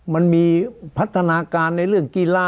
มันมีพัฒนาการในเรื่องกีฬา